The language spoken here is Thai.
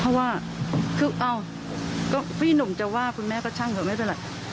เพราะว่าคือเอ้าก็พี่หนุ่มจะว่าคุณแม่ก็ช่างเถอะไม่เป็นไร